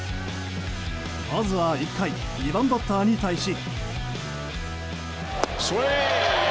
まずは１回２番バッターに対し。